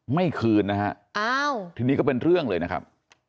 ไม่คืนนะฮะอ้าวทีนี้ก็เป็นเรื่องเลยนะครับ